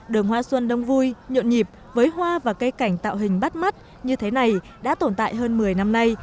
đường hoa xuân đông vui nhộn nhịp với hoa và cây cảnh tạo hình bắt mắt như thế này đã tồn tại hơn một mươi năm nay